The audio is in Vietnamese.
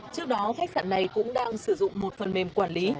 trước đó khách sạn này cũng đang sử dụng một phần mềm quản lý